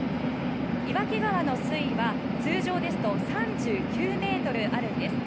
岩木川の水位は通常ですと３９ｍあるんです。